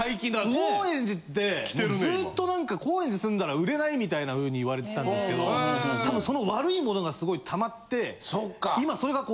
高円寺ってずっと何か高円寺住んだら売れないみたいな風に言われてたんですけどたぶんその悪いものがすごいたまって今。